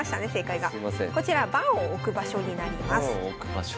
こちら盤を置く場所になります。